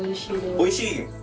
おいしい！